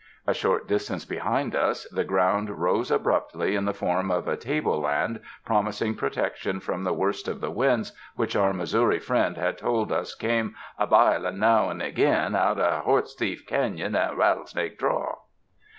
A short distance behind us, the ground rose abruptly in the form of a tableland promising protection from the worst of the winds which our Missouri friend had told us came "a bilin' now and agin" out of Horsethief Canon and Rattlesnake Draw.